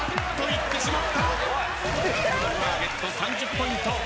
２つ目のターゲット３０ポイント。